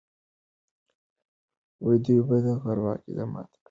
دوی به د غرب عقیده ماته کړې وي.